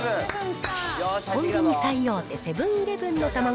コンビニ最大手、セブンーイレブンのたまご